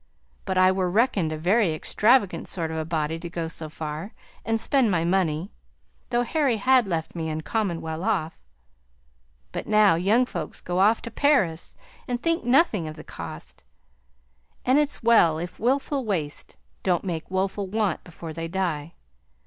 But I were reckoned a very extravagant sort of a body to go so far, and spend my money, though Harry had left me uncommon well off. But now young folks go off to Paris, and think nothing of the cost: and it's well if wilful waste don't make woeful want before they die.